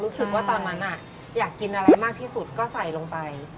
ตอนนั้นอยากกินอะไรมากที่สุดก็ใส่ลงไป